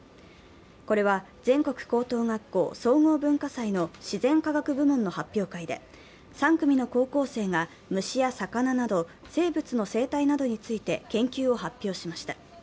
これは全国高等学校総合文化祭の自然科学部門の発表会で３組の高校生が虫や魚など生物の生態などについて研究を発表しました。